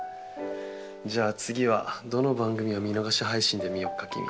じゃあ次はどの番組を見逃し配信で見よっかキミ。